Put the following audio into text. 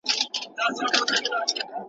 هم خورما او هم ثواب ,